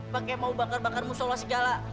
pake mau bakar bakar musolah segala